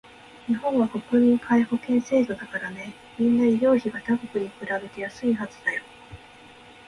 日本は国民皆保険制度だからね、みんな医療費が他国に比べて安いはずだよ